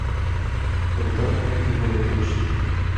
Повідомлення ті були точні.